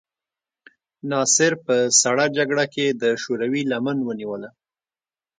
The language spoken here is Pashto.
ناصر په سړه جګړه کې د شوروي لمن ونیوله.